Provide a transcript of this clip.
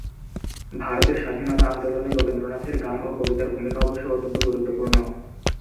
ভারতের স্বাধীনতা আন্দোলনে রবীন্দ্রনাথের গান ও কবিতার ভূমিকা অবশ্য অত্যন্ত গুরুত্বপূর্ণ।